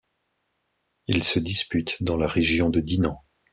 Il se dispute dans la région de Dinant.